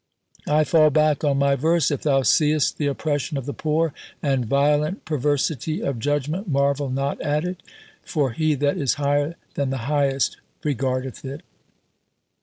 I fall back on my verse "If thou seest the oppression of the poor and violent perversity of judgment marvel not at it, for He that is higher than the Highest regardeth it."